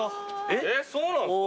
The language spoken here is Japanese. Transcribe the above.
えっそうなんすか？